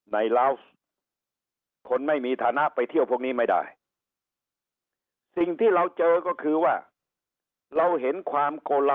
ลาวส์คนไม่มีฐานะไปเที่ยวพวกนี้ไม่ได้สิ่งที่เราเจอก็คือว่าเราเห็นความโกละ